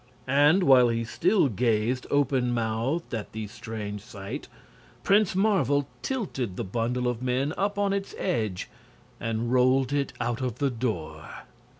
And, while he still gazed open mouthed at the strange sight, Prince Marvel tilted the bundle of men up on its edge and rolled it out of the door.